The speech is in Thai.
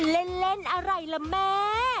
เล่นอะไรล่ะแม่